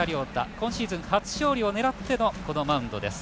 今シーズン、初勝利を狙ってのマウンドです。